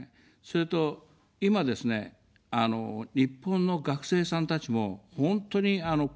それと、今ですね、日本の学生さんたちも本当に苦しいと。